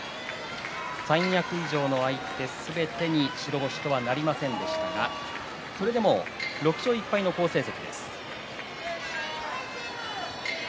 三役以上の相手すべてに白星とはなりませんでしたがそれでも６勝１敗の好成績です。